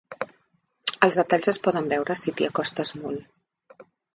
Els detalls es poden veure si t'hi acostes molt.